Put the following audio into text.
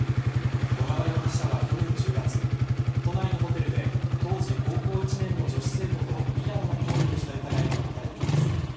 小川容疑者は、去年１０月都内のホテルで当時高校１年の女子生徒とみだらな行為をした疑いが持たれています。